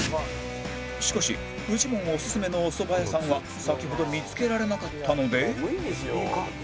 しかしフジモンおすすめのおそば屋さんは先ほど見つけられなかったので